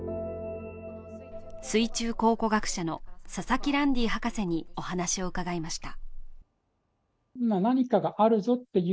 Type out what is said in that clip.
水中考古学者の佐々木ランディ博士にお話を伺いました。